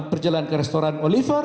perjalanan ke restoran oliver